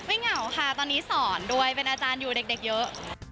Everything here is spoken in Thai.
เหงาค่ะตอนนี้สอนด้วยเป็นอาจารย์อยู่เด็กเยอะ